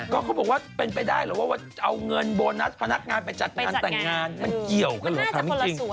ก็เขาบอกว่าเป็นไปได้เหรอว่าเอาเงินโบนัสพนักงานไปจัดงานแต่งงานมันเกี่ยวกันเหรอถามจริง